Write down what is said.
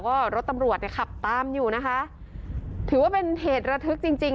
ก็รถตำรวจเนี่ยขับตามอยู่นะคะถือว่าเป็นเหตุระทึกจริงจริง